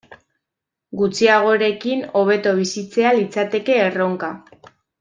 Gutxiagorekin hobeto bizitzea litzateke erronka.